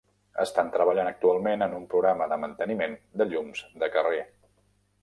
Estan treballant actualment en un programa de manteniment de llums de carrer.